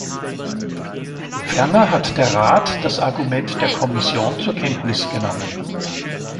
Ferner hat der Rat das Argument der Kommission zur Kenntnis genommen.